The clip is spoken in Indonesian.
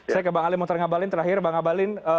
saya ke bang ali mutar ngabalin terakhir bang abalin